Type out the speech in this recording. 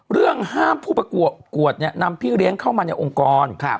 เรื่องห้ามผู้ประกวดเนี่ยนำพี่เลี้ยงเข้ามาในองค์กร